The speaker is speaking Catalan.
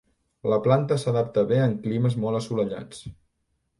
La planta s'adapta bé en climes molt assolellats.